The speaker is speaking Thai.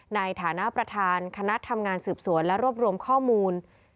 ในฐานะประธานคณะทำงานสืบสวนและรวบรวมข้อมูล